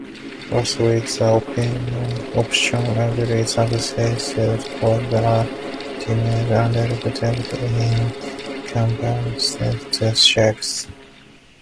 Lastly, the option "ugly" suggests that frogs are deemed unattractive in comparison to snakes.